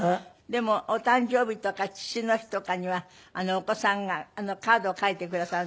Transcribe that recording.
でもお誕生日とか父の日とかにはお子さんがカードを書いてくださるんですって？